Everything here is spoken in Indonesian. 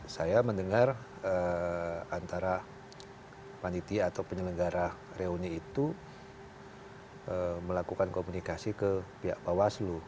saya mendengar antara panitia atau penyelenggara reuni itu melakukan komunikasi ke pihak bawaslu